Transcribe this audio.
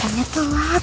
kan laparnya telat